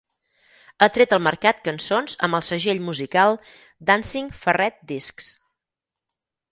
Ha tret al mercat cançons amb el segell musical Dancing Ferret Discs.